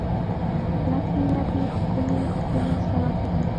لپې، لپې ښکلي، ښکلي سلامونه